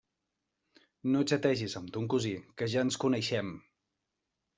No xategis amb ton cosí, que ja ens coneixem!